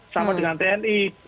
sama dengan tni